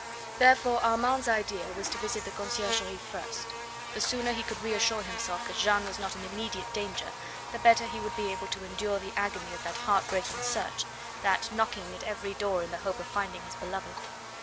Therefore Armand's idea was to visit the Conciergerie first. The sooner he could reassure himself that Jeanne was not in immediate danger the better would he be able to endure the agony of that heart breaking search, that knocking at every door in the hope of finding his beloved.